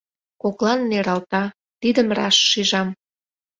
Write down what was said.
Коклан нералта, тидым раш шижам.